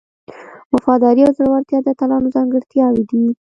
وفاداري او زړورتیا د اتلانو ځانګړتیاوې دي.